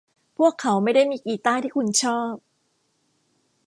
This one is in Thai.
พวกเขาไม่ได้มีกีตาร์ที่คุณชอบ ?